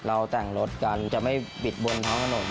เราแต่งรถกันจะไม่บิดบนท้องถนน